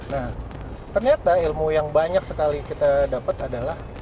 nah ternyata ilmu yang banyak sekali kita dapat adalah